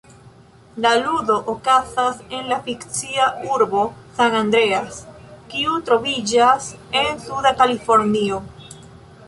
La ludo okazas en la fikcia urbo San Andreas, kiu troviĝas en Suda Kalifornio.